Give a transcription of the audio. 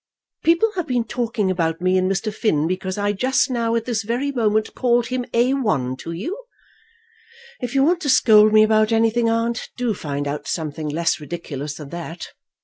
"People have been talking about me and Mr. Finn, because I just now, at this very moment, called him A 1 to you! If you want to scold me about anything, aunt, do find out something less ridiculous than that."